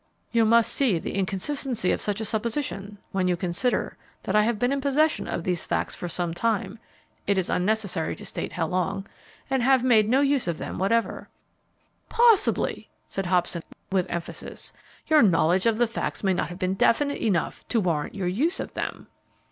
"You must see the inconsistency of such a supposition, when you consider that I have been in possession of these facts for some time it is unnecessary to state how long and have made no use of them whatever." "Possibly," said Hobson, with emphasis, "your knowledge of the facts may not have been definite enough to warrant your use of them."